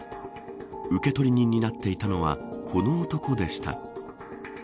受取人になっていたのはこの男でした。